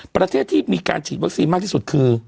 ประเทศที่มีการฉีดวัคซีนมากที่สุดคือ